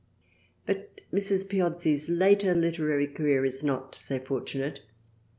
But Mrs. Piozzi's later literary career is not so fortunate.